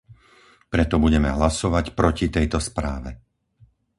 Preto budeme hlasovať proti tejto správe.